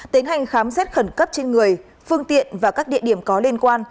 tiến hành khám xét khẩn cấp trên người phương tiện và các địa điểm có liên quan